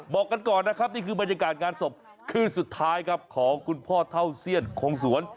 บอกกันก่อนนะครับนี่คือบรรยากาศงานศพคืนสุดท้ายครับของคุณพ่อเท่าเซียนคงสวน